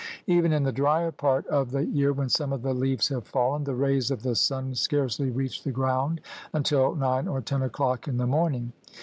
Even in the drier part of the year when some of the leaves have fallen, the rays of the sun scarcely reach the ground until nine or ten o'clock in the morning.